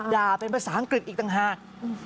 ด่าเป็นภาษาอังกฤษอีกต่างหาก